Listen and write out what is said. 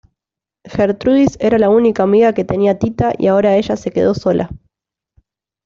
Gertrudis era la única amiga que tenía Tita y ahora ella se quedó sola.